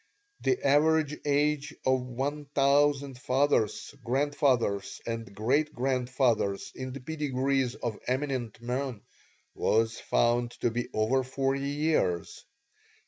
The average age of one thousand fathers, grandfathers, and great grandfathers in the pedigrees of eminent men was found to be over forty years.